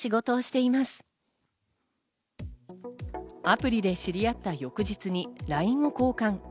アプリで知り合った翌日にＬＩＮＥを交換。